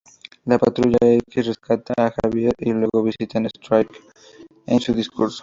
La patrulla X rescata a Xavier y luego visitan a Stryker en su discurso.